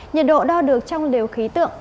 nhiệt độ đo được trong liều khí tượng